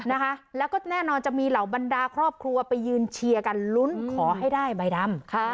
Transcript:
นะคะแล้วก็แน่นอนจะมีเหล่าบรรดาครอบครัวไปยืนเชียร์กันลุ้นขอให้ได้ใบดำค่ะ